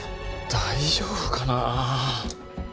大丈夫かなあ。